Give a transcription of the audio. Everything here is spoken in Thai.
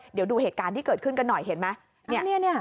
เดี๋ยวดูเหตุการณ์ที่เกิดขึ้นกันหน่อยเห็นไหม